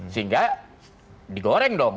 sehingga digoreng doang